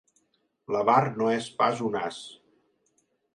L'avar no és pas un as.